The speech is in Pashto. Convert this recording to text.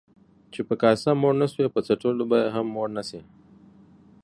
چي په کاسه موړ نسوې ، په څټلو به يې هم موړ نسې.